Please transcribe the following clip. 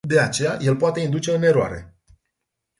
De aceea, el poate induce în eroare.